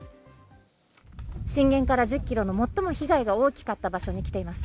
震源から１０キロの最も被害が大きかった場所に来ています。